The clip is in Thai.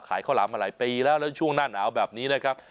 ข้าวหลามมาหลายปีแล้วแล้วช่วงหน้าหนาวแบบนี้นะครับ